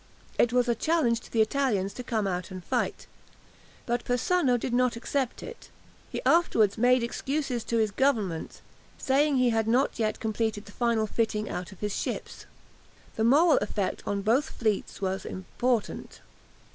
It was a challenge to the Italians to come out and fight. But Persano did not accept it. He afterwards made excuses to his Government, saying he had not yet completed the final fitting out of his ships. The moral effect on both fleets was important.